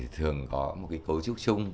thường có một cái cấu trúc chung